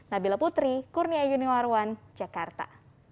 nabila putri kurnia yuniarwan jakarta